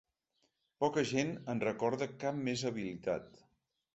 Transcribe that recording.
Poca gent en recorda cap més habilitat.